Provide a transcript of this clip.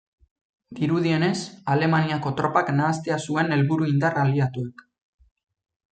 Dirudienez, Alemaniako tropak nahastea zuen helburu indar aliatuek.